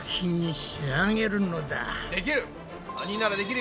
できる！